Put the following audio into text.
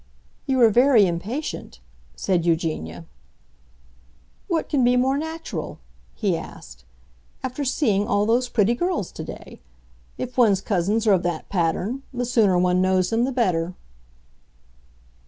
"You are very impatient," said Eugenia. "What can be more natural," he asked, "after seeing all those pretty girls today? If one's cousins are of that pattern, the sooner one knows them the better."